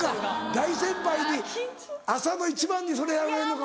大先輩に朝の一番にそれやられるのか。